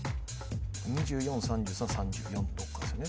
２４３３３４のどっかですよね